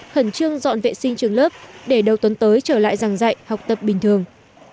khẩn trương dọn vệ sinh trường lớp để đầu tuần tới trở lại giảng dạy học tập bình thường